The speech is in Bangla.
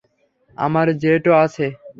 আমার জেটও আছে?